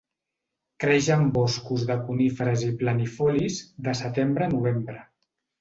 Creix en boscos de coníferes i planifolis, de setembre a novembre.